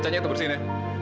acanya itu bersihin ya